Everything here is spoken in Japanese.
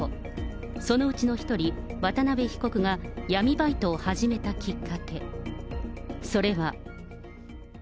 そのうちの１人、渡邉被告が闇バイトを始めたきっかけ、それは。